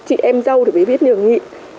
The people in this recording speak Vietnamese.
chị em dâu thì mới biết lường nghị